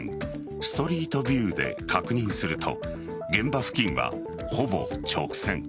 ストリートビューで確認すると現場付近は、ほぼ直線。